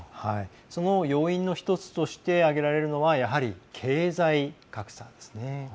その要因の一つとして挙げられるのはやはり、経済格差ですね。